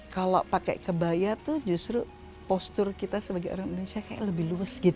kalau pakai kebaya itu justru postur kita sebagai orang indonesia lebih luas